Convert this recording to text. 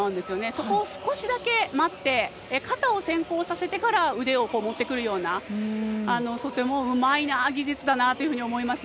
そこを少しだけ待って肩を先行させてから腕を持ってくるようなとてもうまい技術だなと思います。